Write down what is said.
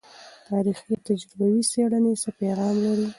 تاریخي او تجربوي څیړنې څه پیغام لري؟